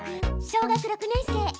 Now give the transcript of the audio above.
小学６年生。